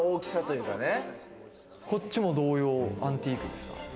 こっちも同様アンティークですか？